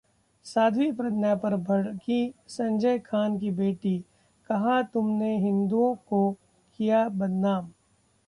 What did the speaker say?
साध्वी प्रज्ञा पर भड़कीं संजय खान की बेटी, कहा- तुमने हिन्दुओं को किया बदनाम